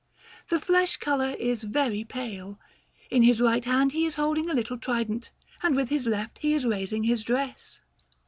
The flesh colour is very pale. In his right hand he is holding a little trident, and with his left he is raising his dress.